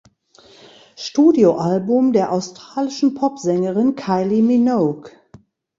Studioalbum der australischen Popsängerin Kylie Minogue.